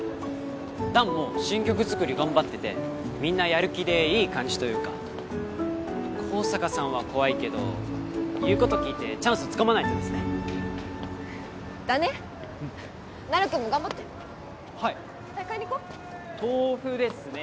弾も新曲作り頑張っててみんなやる気でいい感じというか香坂さんは怖いけど言うこと聞いてチャンスつかまないとですねだねうんなるくんも頑張ってはい早く買いに行こう豆腐ですねＯＫ